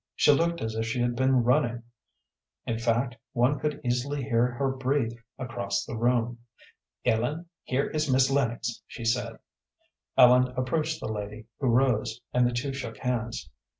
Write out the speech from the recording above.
She looked as if she had been running in fact, one could easily hear her breathe across the room. "Ellen, here is Miss Lennox," she said. Ellen approached the lady, who rose, and the two shook hands.